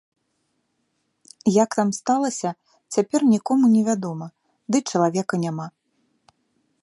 Як там сталася, цяпер нікому не вядома, ды чалавека няма.